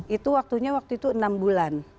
itu waktunya waktu itu enam bulan